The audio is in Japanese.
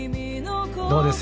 どうです？